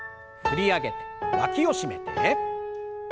振り上げてわきを締めて。